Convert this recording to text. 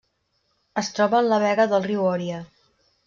Es troba en la vega del riu Oria.